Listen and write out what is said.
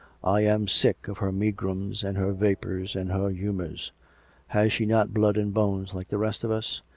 " I am sick of her megrims and her vapours and her humours. Has she not blood and bones like the rest of us?